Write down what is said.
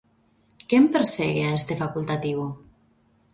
Quen persegue a este facultativo?